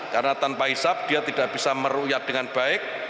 karena tanpa hisap dia tidak bisa meru'yat dengan baik